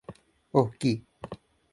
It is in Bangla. ওহ, কি?